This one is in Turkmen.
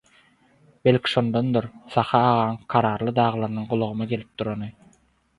Belki şondandyr Sahy agaň «kararly daglarynyň» gulagyma gelip durany.